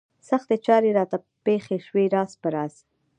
سختې چارې راته پېښې شوې راز په راز.